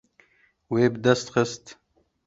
Wê bi dest xist.